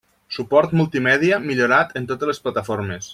Suport multimèdia millorat en totes les plataformes.